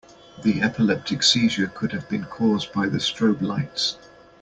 The epileptic seizure could have been cause by the strobe lights.